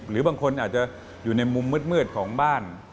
หรือบางคนอาจจะอยู่ในมุมมืดของบ้าน